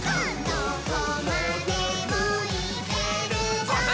「どこまでもいけるぞ！」